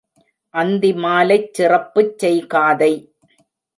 அந்திமாலைச் சிறப்புச் செய் காதை.